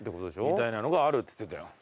みたいなのがあるっつってたよ。